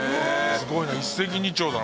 すごいな。